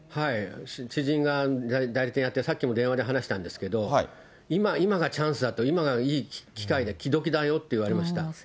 知人が代理店やってて、さっきも電話で話したんですけど、今、今がチャンスだと、今がいい機会で、すいてるんですね。